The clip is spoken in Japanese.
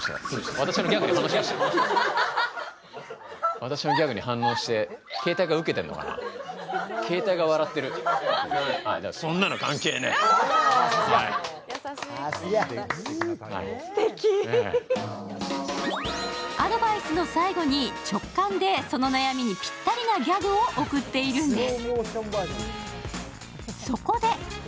私のギャグに反応してアドバイスの最後に直感でその悩みにぴったりのギャグを贈っているんです。